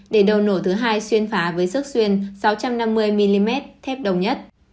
để đầu nổ thứ hai xuyên phá với sức xuyên sáu trăm năm mươi mm thép đồng nhất